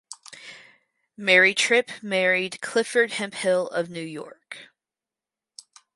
Mary Tripp married Clifford Hemphill of New York.